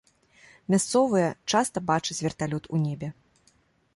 Мясцовыя часта бачаць верталёт у небе.